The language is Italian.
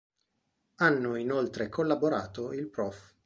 Hanno inoltre collaborato il Prof.